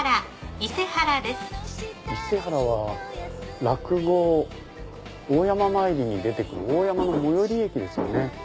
伊勢原は落語『大山詣り』に出て来る大山の最寄り駅ですよね。